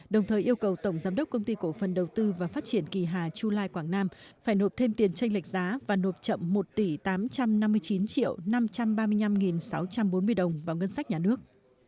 đồng thời yêu cầu tổng giám đốc công ty cổ phần đầu tư và phát triển kỳ hà chu lai quảng nam phải nộp thêm tiền tranh lệch giá và nộp chậm một tỷ tám trăm năm mươi chín triệu năm trăm ba mươi năm sáu trăm bốn mươi đồng vào ngân sách nhà nước